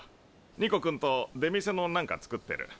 ニコ君と出店の何か作ってる。